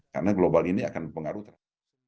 karena global ini akan berpengaruh